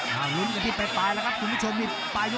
ทางลุ้มที่ที่ป่าย